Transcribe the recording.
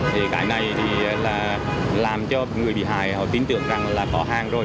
thì cái này thì là làm cho người bị hại họ tin tưởng rằng là có hàng rồi